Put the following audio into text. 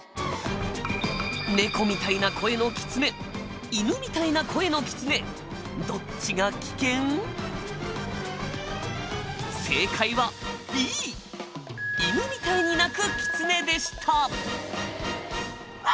猫みたいな声のキツネ犬みたいな声のキツネ正解はＢ犬みたいに鳴くキツネでした。